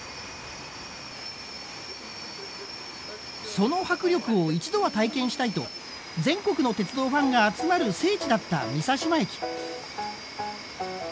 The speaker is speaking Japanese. その迫力を一度は体験したいと全国の鉄道ファンが集まる聖地だった美佐島駅。